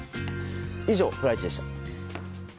以上、プライチでした。